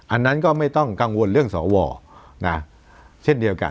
อันนั้นก็ไม่ต้องกังวลเรื่องสวเช่นเดียวกัน